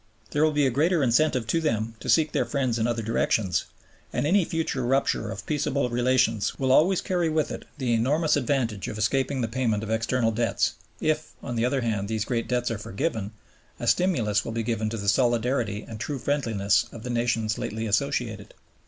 There will be a great incentive to them to seek their friends in other directions, and any future rupture of peaceable relations will always carry with it the enormous advantage of escaping the payment of external debts, if, on the other hand, these great debts are forgiven, a stimulus will be given to the solidarity and true friendliness of the nations lately associated.